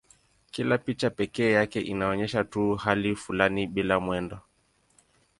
Kila picha pekee yake inaonyesha tu hali fulani bila mwendo.